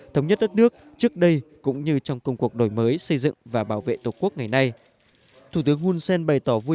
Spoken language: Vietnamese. thống nhất đất nước trước đây cũng như trong công cuộc đổi mới xây dựng và bảo vệ tổ quốc ngày nay